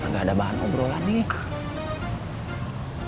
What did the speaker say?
gak ada bahan obrolan nih